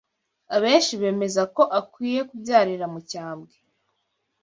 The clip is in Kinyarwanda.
Abenshi bemeza ko akwiye kubyarira mu Cyambwe